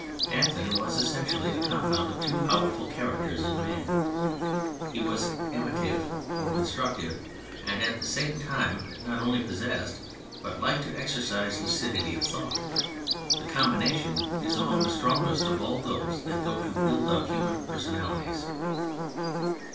Danton was essentially a compound of two powerful characters in man. He was amative or constructive, and at the same time he not only possessed but liked to exercise lucidity of thought. The combination is among the strongest of all those that go to build up human personalities.